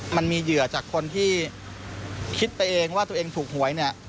มันมีเหยื่อจากคนที่คิดไปเองว่าตัวเองถูกหวยเนี่ย